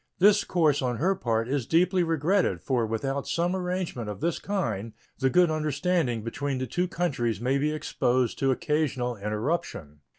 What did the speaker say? This course on her part is deeply regretted, for without some arrangement of this kind the good understanding between the two countries may be exposed to occasional interruption.